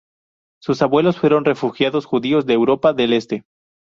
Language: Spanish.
Sus abuelos fueron refugiados judíos de Europa del Este.